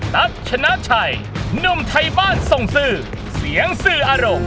ตั๊กชนะชัยหนุ่มไทยบ้านส่งสื่อเสียงสื่ออารมณ์